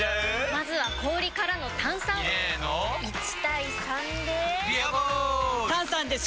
まずは氷からの炭酸！入れの１：３で「ビアボール」！